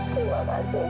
terima kasih mila